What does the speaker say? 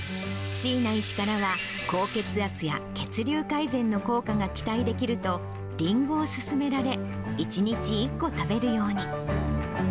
椎名医師からは高血圧や血流改善の効果が期待できると、りんごを勧められ、１日１個食べるように。